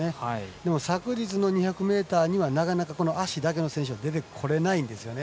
でも昨日の２００ｍにはなかなか足だけの選手は出てこれないんですよね。